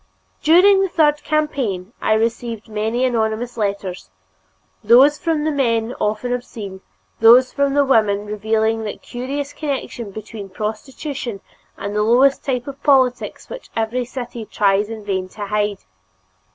During the third campaign I received many anonymous letters those from the men often obscene, those from the women revealing that curious connection between prostitution and the lowest type of politics which every city tries in vain to hide.